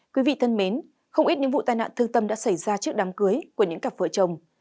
quý vị thân mến không ít những vụ tai nạn thương tâm đã xảy ra trước đám cưới của những cặp vợ chồng